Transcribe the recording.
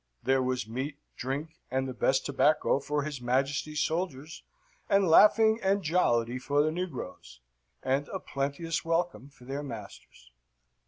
There was meat, drink, and the best tobacco for his Majesty's soldiers; and laughing and jollity for the negroes; and a plenteous welcome for their masters.